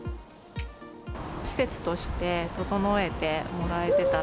施設として整えてもらえてた